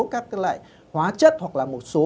các loại hóa chất hoặc là một số